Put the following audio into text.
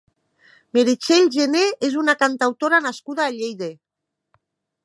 Meritxell Gené és una cantautora nascuda a Lleida.